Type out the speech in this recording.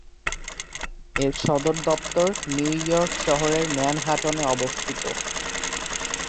এর সদর দপ্তর নিউ ইয়র্ক শহরের ম্যানহাটনে অবস্থিত।